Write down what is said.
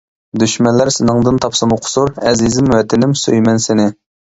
دۈشمەنلەر سېنىڭدىن تاپسىمۇ قۇسۇر، ئەزىزىم ۋەتىنىم سۆيىمەن سېنى!